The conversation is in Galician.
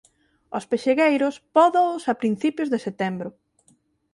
Os pexegueiros pódoos a principios de setembro.